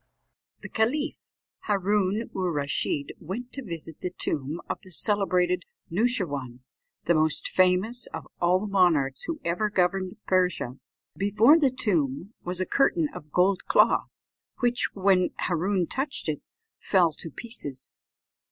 The caliph Hâroon oor Rasheed went to visit the tomb of the celebrated Noosheerwân, the most famous of all the monarchs who ever governed Persia. Before the tomb was a curtain of gold cloth, which, when Hâroon touched it, fell to pieces.